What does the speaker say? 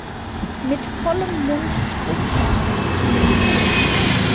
Mit vollem Mund spricht man nicht.